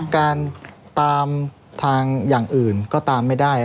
การตามทางอย่างอื่นก็ตามไม่ได้